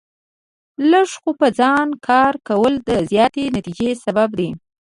لږ خو په ځای کار کول د زیاتې نتیجې سبب دی.